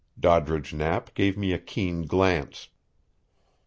Doddridge Knapp gave me a keen glance.